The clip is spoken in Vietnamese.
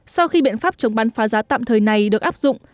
sau khi biện pháp chống bán phá giá tạm thời này được áp dụng